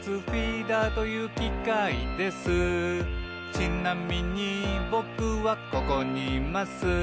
「ちなみにぼくはここにいます」